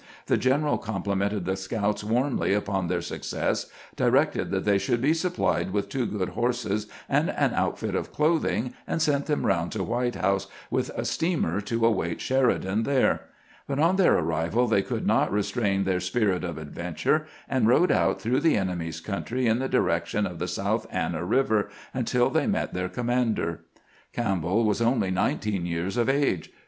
The general complimented the scouts warmly upon their success, directed that they be supplied with two good horses and an outfit of clothing, and sent them around to White House on a steamer to await Sheridan there ; but on their arrival they could not restrain their spirit of adventure, and rode out through the enemy's country in the direction of the South Anna River until they met their commander. Campbell was only nineteen years of age.